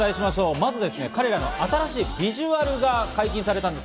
まず、彼らの新しいビジュアルが解禁されたんです。